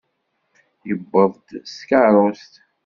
Yewweḍ-d s tkeṛṛust.